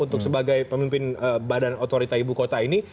untuk sebagai pemimpin badan otorita ibu kota ini